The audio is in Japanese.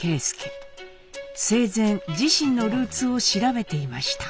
生前自身のルーツを調べていました。